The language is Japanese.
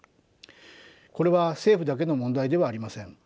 これは政府だけの問題ではありません。